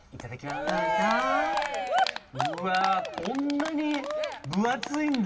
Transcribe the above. うわこんなに分厚いんだ！